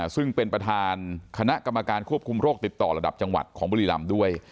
ซึ่งเป็นประธานคณะกรรมการควบคุมโรคติดต่อระดับจังหวัดของบุรีรำด้วย